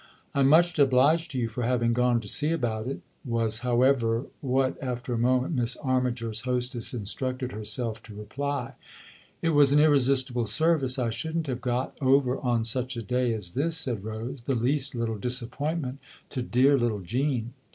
"I'm much obliged to you for having gone to see about it " was, however, what, after a moment, Miss Armiger's hostess instructed herself to reply. "It was an irresistible service. I shouldn't have got over on such a day as this," said Rose, " the least little disappointment to dear little Jean."